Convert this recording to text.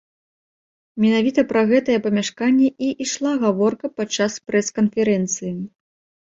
Менавіта пра гэтае памяшканне і ішла гаворка падчас прэс-канферэнцыі.